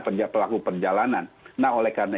pelaku perjalanan nah oleh karena